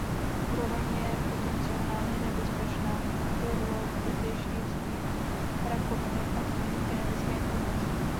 Úroveň je potenciálně nebezpečná pro pozdější vznik rakoviny a změny v genetické informaci.